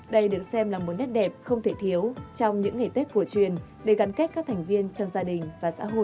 đây được xem là một nét đẹp không thể thiếu trong những ngày tết cổ truyền để gắn kết các thành viên trong gia đình và xã hội